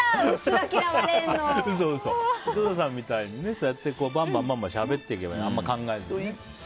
嘘、井戸田さんみたいにバンバンしゃべっていけばあんまり考えずにね。